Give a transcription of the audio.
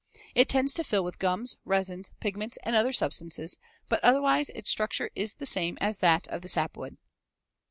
It tends to fill with gums, resins, pigments and other substances, but otherwise its structure is the same as that of the sapwood.